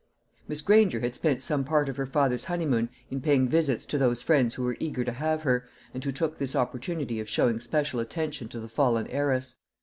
Miss Granger had spent some part of her father's honeymoon in paying visits to those friends who were eager to have her, and who took this opportunity of showing special attention to the fallen heiress.